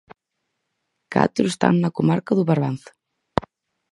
Catro están na comarca do Barbanza.